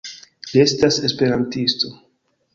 Li estas esperantisto